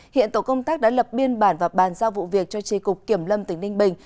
hiện tổ công tác đã lập biên bản và bàn giao vụ việc cho tri cục kiểm lâm tỉnh ninh bình